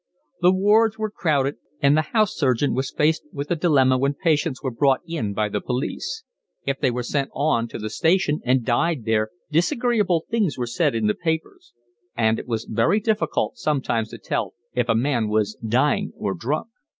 The wards were crowded, and the house surgeon was faced with a dilemma when patients were brought in by the police: if they were sent on to the station and died there disagreeable things were said in the papers; and it was very difficult sometimes to tell if a man was dying or drunk.